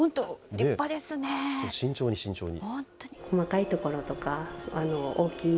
慎重に、慎重に。